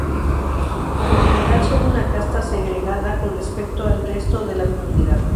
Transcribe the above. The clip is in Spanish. Por lo general son una casta segregada con respecto al resto de la comunidad.